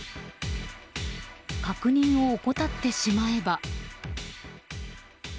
確認を怠ってしまえば。